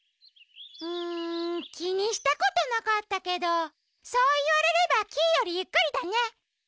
うんきにしたことなかったけどそういわれればキイよりゆっくりだね。